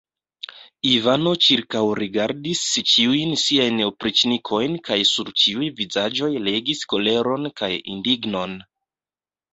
Ivano ĉirkaŭrigardis ĉiujn siajn opriĉnikojn kaj sur ĉiuj vizaĝoj legis koleron kaj indignon.